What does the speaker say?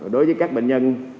đối với các bệnh nhân